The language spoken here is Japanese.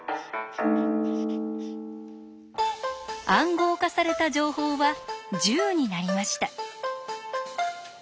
「暗号化された情報」は１０になりました。